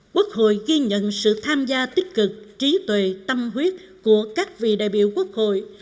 quốc hội ghi nhận sự tham gia tích cực trí tuệ tâm huyết của các vị đại biểu quốc hội